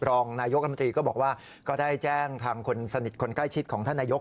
รองนายกรรมตรีก็บอกว่าก็ได้แจ้งทางคนสนิทคนใกล้ชิดของท่านนายก